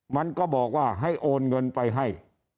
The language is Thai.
มันก็บอกว่าให้โอนเงินไปให้